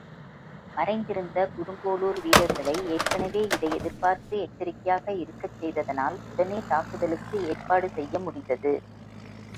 மறைந்திருந்த கொடுங்கோளூர் வீரர்களை ஏற்கெனவே இதை எதிர்பார்த்து எச்சரிக்கையாக இருக்கச் செய்ததனால் உடனே தாக்குதலுக்கு ஏற்பாடு செய்ய முடிந்தது.